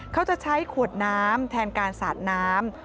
เขาจะใช้ขวดน้ำแทนการสาดน้ำ